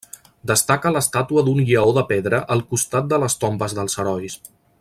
Destaca l'estàtua d'un lleó de pedra al costat de les tombes dels herois.